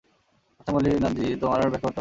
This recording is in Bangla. আচ্ছা মল্লিনাথজি, তোমার আর ব্যাখ্যা করতে হবে না।